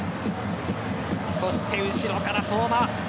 そして後ろから相馬。